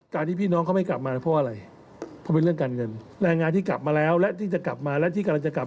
ก็ต้องไปทำงานแล้วก็มาผ่อนใช้